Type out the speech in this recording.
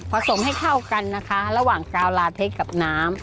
สมให้เข้ากันนะคะระหว่างกาวลาเทคกับน้ำ